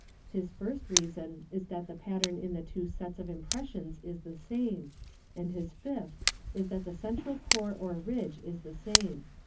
His first reason is that the pattern in the two set: of impressions is the same, and his fifth is that the central core or ridg is the same.